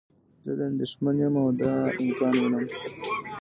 زه اندیښمند یم او دا امکان وینم.